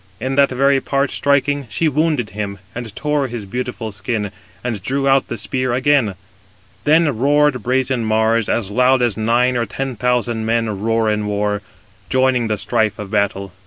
In that very part striking, she wounded him, and tore his beautiful skin, and drew out the spear again. Then roared brazen Mars, as loud as nine or ten thousand men roar in war, joining the strife of battle.